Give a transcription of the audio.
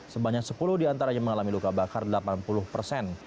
sebanyak sepuluh diantaranya mengalami luka bakar delapan puluh persen